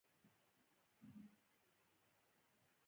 پالرمو ته هم یو ځلي ولاړ شه.